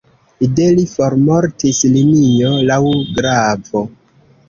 De li formortis linio laŭ glavo.